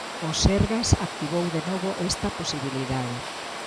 O Sergas activou de novo está posibilidade.